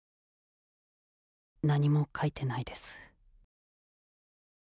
何も書いてないです。